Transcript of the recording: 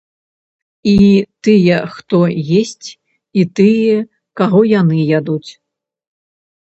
І тыя, хто есць, і тыя, каго яны ядуць.